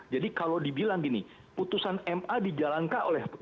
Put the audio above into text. jadi kalau dibilang gini putusan ma dijalankan oleh pekerja